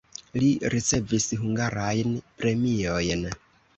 Li ricevis hungarajn premiojn.